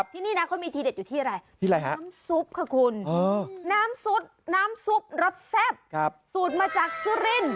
ที่นี่นะเขามีทีเด็ดอยู่ที่อะไรฮะน้ำซุปค่ะคุณน้ำซุปน้ำซุปรสแซ่บสูตรมาจากสุรินทร์